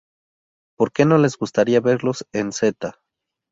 Por que no les gustaría verlos en Z?